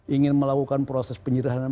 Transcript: ingin melakukan proses penyedahan